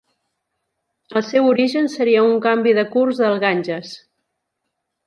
El seu origen seria un canvi de curs del Ganges.